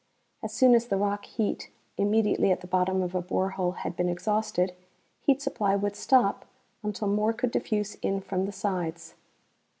As soon as the rock heat immediately at the bottom of a bore hole had been exhausted heat supply would stop until more could diffuse in from the sides.